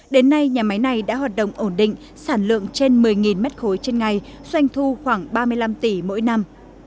đến nay nhà máy này đã hoạt động ổn định sản lượng trên một mươi m ba trên ngày doanh thu khoảng ba mươi năm tỷ mỗi năm